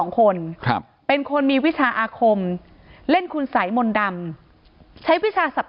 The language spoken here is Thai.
คนครับเป็นคนมีวิชาอาคมเล่นคุณสัยมนต์ดำใช้วิชาสับ